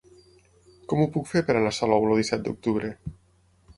Com ho puc fer per anar a Salou el disset d'octubre?